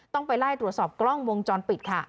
ต้องไปไล่ตรวจสอบกล้องวงจรปิดค่ะ